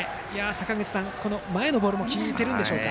坂口さん、前のボールも効いてるんでしょうか。